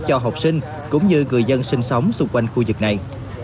cho học sinh cũng như người dân sinh sống xung quanh khu vực này